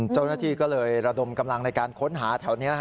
เจ้าหน้าที่ก็เลยระดมกำลังในการค้นหาแถวนี้